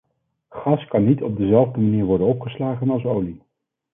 Gas kan niet op dezelfde manier worden opgeslagen als olie.